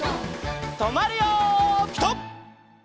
とまるよピタ！